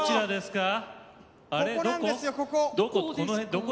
どこ？